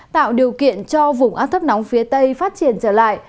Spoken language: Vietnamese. tạo điều kiện cho vùng áp thấp nóng phía tây phát triển trở lại